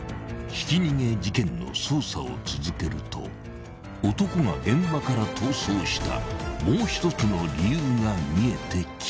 ［ひき逃げ事件の捜査を続けると男が現場から逃走したもう一つの理由が見えてきた。